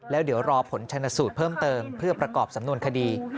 แล้วเดี๋ยวรอผลชนสูตรเพิ่มเติมเพื่อประกอบสำนวนคดี